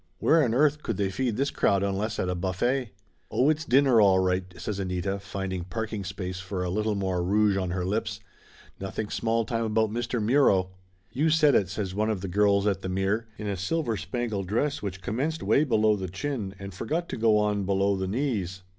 Where on earth could they feed this crowd unless at a buffet?" "Oh, it's dinner, all right !" says Anita, finding park ing space for a little more rouge on her lips. "Noth ing small time about Mr. Muro." "You said it!" says one of the girls at the mirror, in a silver spangled dress which commenced way be 112 Laughter Limited low the chin and forgot to go on below the knees.